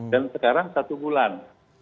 dan sekarang satu bulan